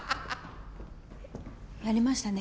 やりましたね。